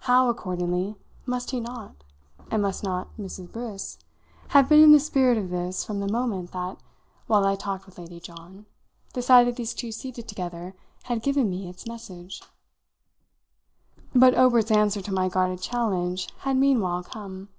How, accordingly, must he not and must not Mrs. Briss have been in the spirit of this from the moment that, while I talked with Lady John, the sight of these two seated together had given me its message! But Obert's answer to my guarded challenge had meanwhile come.